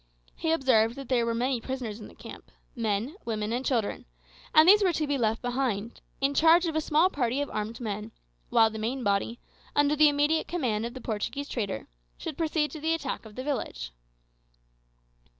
He observed that there were many prisoners in the camp men, women, and children and these were to be left behind, in charge of a small party of armed men; while the main body, under the immediate command of the Portuguese trader, should proceed to the attack of the village.